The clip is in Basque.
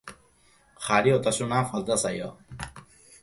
Jariotasuna falta zaio.